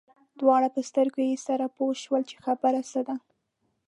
دواړه په سترګو کې سره پوه شول چې خبره څه ده.